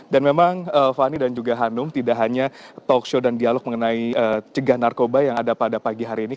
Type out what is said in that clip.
dan memang fani dan juga hanum tidak hanya talkshow dan dialog mengenai cegah narkoba yang ada pada pagi hari ini